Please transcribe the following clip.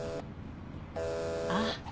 ああ。